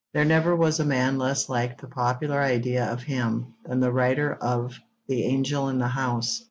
There never was a man less like the popular idea of him than the writer of The Angel in the House.